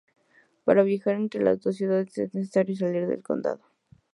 Para viajar entre las dos ciudades es necesario salir del condado.